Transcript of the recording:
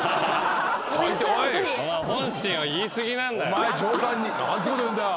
お前上官に何てこと言うんだよ。